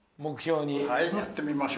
はいやってみましょう。